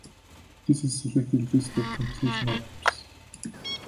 This is a selected list of compilation albums.